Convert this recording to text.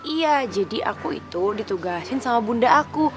iya jadi aku itu ditugasin sama bunda aku